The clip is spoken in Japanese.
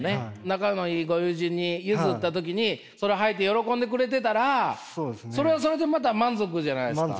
仲のいいご友人に譲った時にそれはいて喜んでくれてたらそれはそれでまた満足じゃないですか。